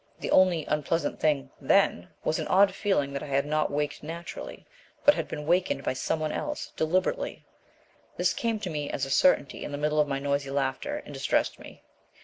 The only unpleasant thing then was an odd feeling that I had not waked naturally, but had been wakened by some one else deliberately. This came to me as a certainty in the middle of my noisy laughter and distressed me."